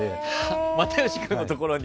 又吉君のところに？